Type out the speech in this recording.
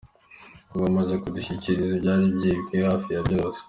Ubu bamaze kudushyikiriza ibyari byibwe hafi ya byose.